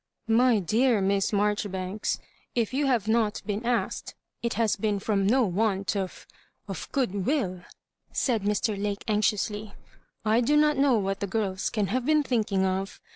" My dear Miss Marjoribanks, if you have not 7 been asked it has been from no want of— of good will," said Mr. Lake, anxiously. "I do not know what the girls can have been thinking of.